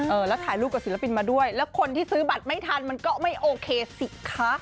เออแล้วถ่ายรูปกับศิลปินมาด้วยแล้วคนที่ซื้อบัตรไม่ทันมันก็ไม่โอเคสิคะ